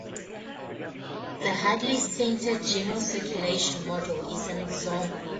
The Hadley Centre General Circulation Model is an example.